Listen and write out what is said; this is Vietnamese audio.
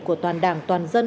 của toàn đảng toàn dân